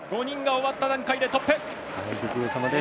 ５人が終わった段階でトップ。